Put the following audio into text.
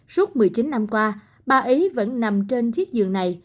suốt một mươi chín năm qua ba ấy vẫn nằm trên chiếc giường này